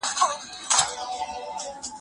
د انګور اوبه وې تویې